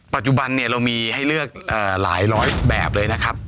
ปัจจุบันเนี่ยเรามีให้เลือกหลายร้อยแบบเลยนะครับ